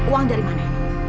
uang dari mana